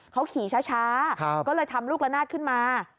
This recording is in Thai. เขาขี่ช้าก็เลยทำลูกละนาดขึ้นมา